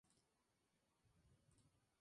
Una de las ratas de bambú.